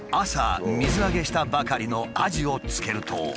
朝水揚げしたばかりのアジをつけると。